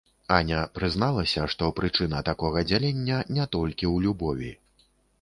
Аня прызналася, што прычына такога дзялення не толькі ў любові.